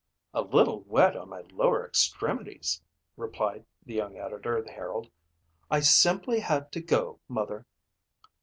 "A little wet on my lower extremities," replied the young editor of the Herald. "I simply had to go, mother."